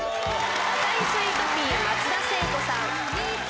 『赤いスイートピー』松田聖子さん。